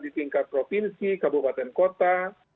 di tingkat provinsi kabupaten kota